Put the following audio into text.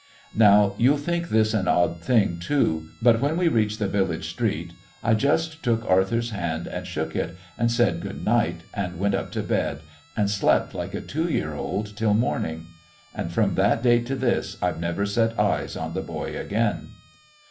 Now you'll think this an odd thing too but when we reached the village street, I just took Arthur's hand and shook it and said good night and went up to bed and slept like a two year old till morning. And from that day to this I've never set eyes on the boy again.